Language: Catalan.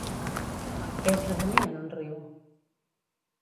Què esdevenia en un riu?